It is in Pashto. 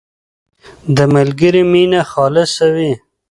• د ملګري مینه خالصه وي.